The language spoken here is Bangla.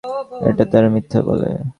এটা তারা মিথ্যা বলে।